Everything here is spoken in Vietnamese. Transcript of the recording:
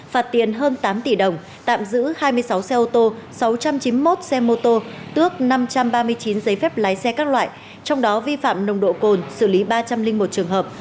phạt tiền hơn tám tỷ đồng tạm giữ hai mươi sáu xe ô tô sáu trăm chín mươi một xe mô tô tước năm trăm ba mươi chín giấy phép lái xe các loại trong đó vi phạm nồng độ cồn xử lý ba trăm linh một trường hợp